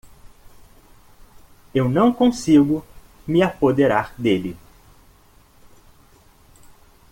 Eu não consigo me apoderar dele.